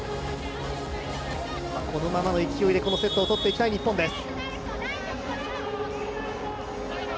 このままの勢いでこのセットを取っていきたい日本です。